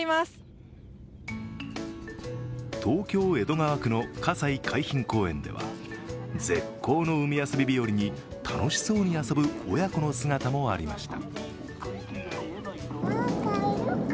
東京・江戸川区の葛西臨海公園では絶好の海遊び日和に楽しそうに遊ぶ親子の姿もありました。